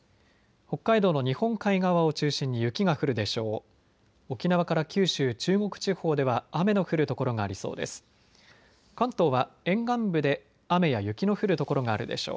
北海道の日本海側を中心に雪が降るでしょう。